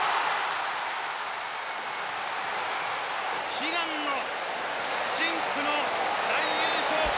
悲願の深紅の大優勝旗